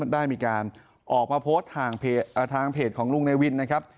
ได้มีการออกมาโพสต์ทางเพจของลุงเนวินนะครับ